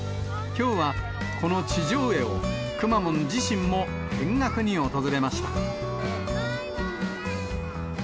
きょうは、この地上絵をくまモン自身も見学に訪れました。